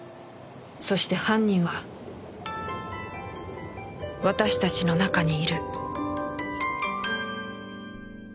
そして犯人は私たちの中にいる